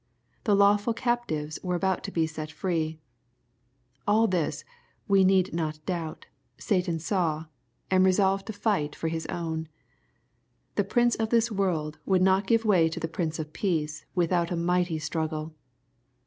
The lawful captives were about to be set free, AU this, we need not doubt, Satan saw, and resolved to fight tor his own. The prince of this world would not give way to the Prince of peace without a mighty struggle.